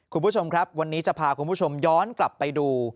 คุณผู้ชมครับวันนี้จะพาคุณผู้ชมย้อนกลับไปดู